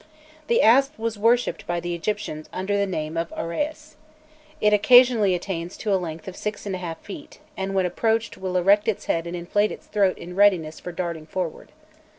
The asp was worshipped by the Egyptians under the name of uræus. It occasionally attains to a length of six and a half feet, and when approached will erect its head and inflate its throat in readiness for darting forward.